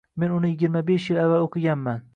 Men uni yigirma besh yil avval o‘qiganman